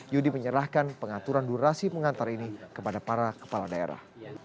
yudi menyerahkan pengaturan durasi pengantar ini kepada para kepala daerah